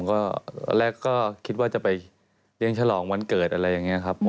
ก็แรกก็คิดว่าจะไปเลี้ยงฉลองวันเกิดอะไรอย่างนี้ครับ